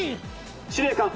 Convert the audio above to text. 「司令官」。